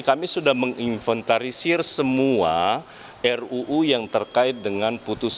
kami sudah menginventarisir semua ruu yang terkait dengan putusan